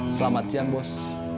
selamat siang bos